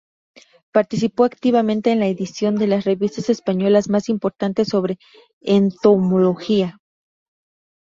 Participó activamente en la edición de las revistas españolas más importantes sobre Entomología.